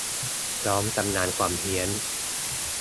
พร้อมตำนานความเฮี้ยน